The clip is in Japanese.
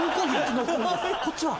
こっちは？